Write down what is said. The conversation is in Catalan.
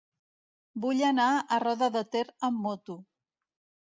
Vull anar a Roda de Ter amb moto.